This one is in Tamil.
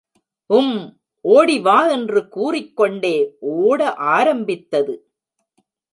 உம், ஒடி வா என்று கூறிக்கொண்டே ஒட ஆரம்பித்தது.